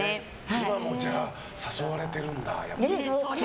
今もじゃあ、誘われてるんだ。